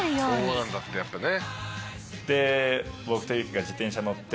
「そうなんだってやっぱね」